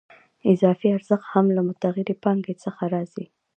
اضافي ارزښت هم له متغیرې پانګې څخه راځي